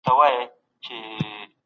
مطالعه انسان ته د حق او باطل فرق ښيي.